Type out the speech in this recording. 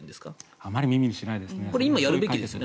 あまり耳にしないですね。